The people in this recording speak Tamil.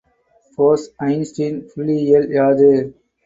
போஸ் ஐன்ஸ்டீன் புள்ளியியல் யாது?